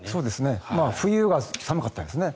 冬が寒かったですね。